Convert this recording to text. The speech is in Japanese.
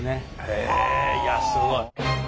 へえいやすごい。